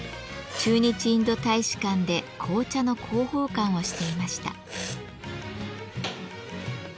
駐日インド大使館で紅茶の広報官をしていました。